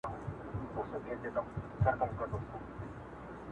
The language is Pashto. نجیب عامر صاحب